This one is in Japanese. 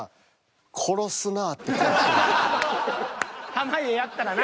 濱家やったらな。